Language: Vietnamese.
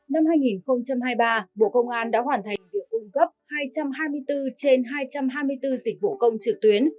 năm hai nghìn hai mươi ba bộ công an đã hoàn thành việc cung cấp hai trăm hai mươi bốn trên hai trăm hai mươi bốn dịch vụ công trực tuyến